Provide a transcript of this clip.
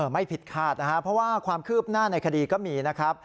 ไม่ผิดคาดนะครับเพราะว่าความคืบหน้าในคดีก็มีนะครับ